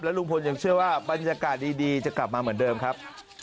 ลุงพลยังเชื่อว่าบรรยากาศดีจะกลับมาเหมือนเดิมครับ